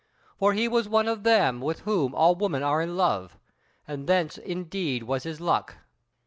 For he was one of them with whom all women are in love; and thence indeed was his luck....